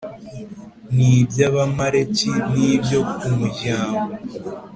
n’iby’Abamaleki n’ibyo ku munyago